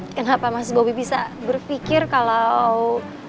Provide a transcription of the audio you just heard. kenapa mas bobi bisa berpikir kalau